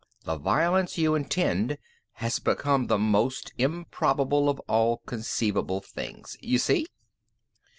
The violence you intend has become the most improbable of all conceivable things. You see?"